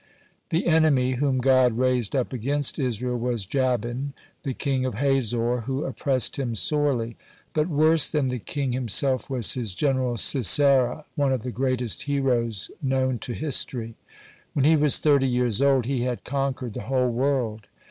(70) The enemy whom God raised up against Israel was Jabin, (71) the king of Hazor, who oppressed him sorely. But worse than the king himself was his general Sisera, one of the greatest heroes know to history. When he was thirty years old, he had conquered the whole world.